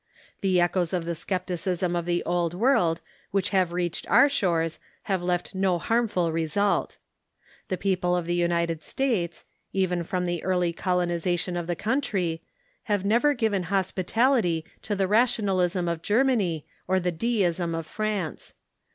The echoes of the scepticism of the Old World which have reached our shores have left no harmful result. The people of the United States, even from the early colonization of the country, have never given hospitality to the rationalism of Germany or the deism of France.